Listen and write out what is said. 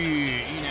いいね］